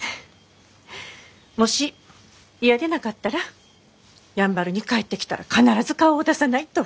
もし嫌でなかったらやんばるに帰ってきたら必ず顔を出さないと。